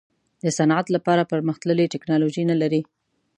د صنعت لپاره پرمختللې ټیکنالوجي نه لري.